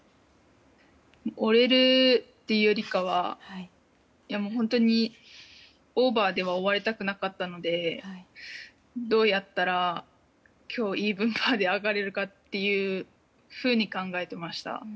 折れるっていうよりかは本当に、オーバーでは終わりたくなかったのでどうやったら今日イーブンパーで上がれるかというふうに考えてました。